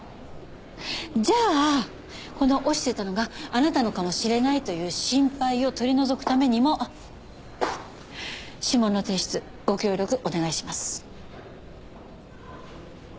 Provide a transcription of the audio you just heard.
じゃあこの落ちてたのがあなたのかもしれないという心配を取り除くためにも指紋の提出ご協力お願いします。